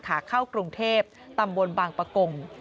ขาเข้ากรุงเทพตำบลบางปะกง